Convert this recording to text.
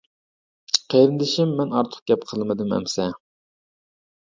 قېرىندىشىم مەن ئارتۇق گەپ قىلمىدىم ئەمسە.